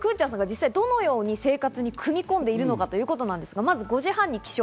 一日の中で実際どのように生活に組み込んでいるのかということなんですが、まず５時半に起床。